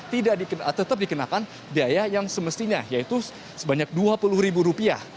tidak tetap dikenakan biaya yang semestinya yaitu sebanyak dua puluh ribu rupiah